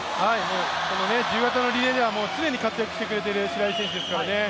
自由形のリレーでは常に活躍してくれている白井選手ですからね。